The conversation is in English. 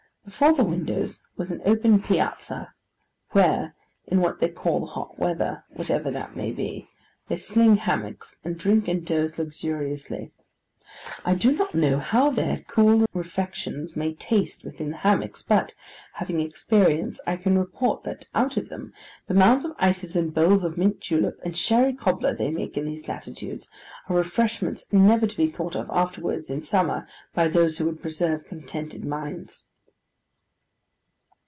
Before the windows was an open piazza, where, in what they call the hot weather—whatever that may be—they sling hammocks, and drink and doze luxuriously. I do not know how their cool rejections may taste within the hammocks, but, having experience, I can report that, out of them, the mounds of ices and the bowls of mint julep and sherry cobbler they make in these latitudes, are refreshments never to be thought of afterwards, in summer, by those who would preserve contented minds.